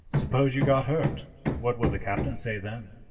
Suppose you got hurt, what would the captain say then?